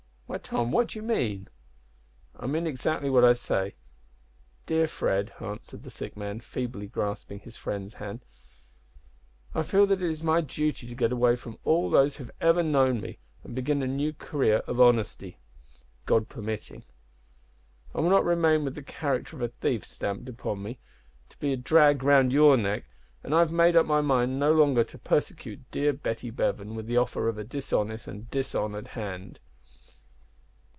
"Why, Tom, what do you mean?" "I mean exactly what I say. Dear Fred," answered the sick man, feebly grasping his friend's hand, "I feel that it is my duty to get away from all who have ever known me, and begin a new career of honesty, God permitting. I will not remain with the character of a thief stamped upon me, to be a drag round your neck, and I have made up my mind no longer to persecute dear Betty Bevan with the offer of a dishonest and dishonoured hand.